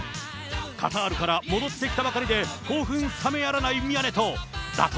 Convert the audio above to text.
カタールから戻ってきたばかりで興奮冷めやらない宮根と、打倒！